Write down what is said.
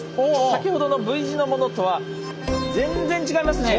先ほどのＶ字のものとは全然違いますね。